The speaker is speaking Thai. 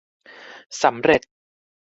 สำเร็จ